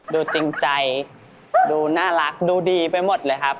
ดูจริงใจดูน่ารักดูดีไปหมดเลยครับ